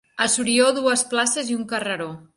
A Sorió, dues places i un carreró.